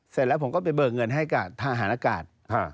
เสร็จแล้วผมก็ไปเบิกเงินให้กับทหารอากาศ